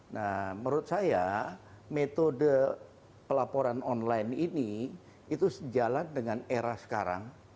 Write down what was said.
nah menurut saya metode pelaporan online ini itu sejalan dengan era sekarang